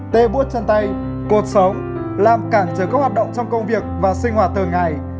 tê bút chân tay cột sống làm cản trở các hoạt động trong công việc và sinh hoạt từ ngày